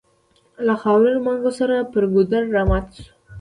له خاورينو منګو سره پر ګودر راماتې شوې.